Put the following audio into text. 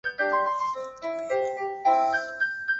配楼的风格和主楼类似。